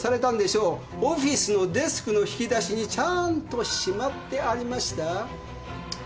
オフィスのデスクの引き出しにちゃんとしまってありました。